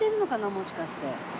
もしかして。